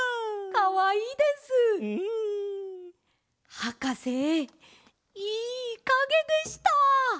はかせいいかげでした！